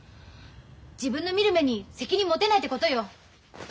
自分の見る目に責任持てないってことよ。